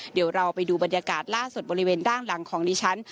เดี๋ยวเราไปดูบรรยากาศล่าสุดบริเวณด้านหลังของดิฉัน